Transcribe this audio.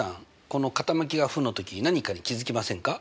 この傾きが負の時何かに気付きませんか？